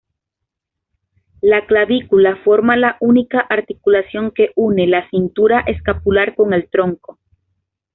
La clavícula forma la única articulación que une la cintura escapular con el tronco.